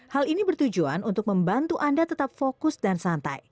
hal ini bertujuan untuk membantu anda tetap fokus dan santai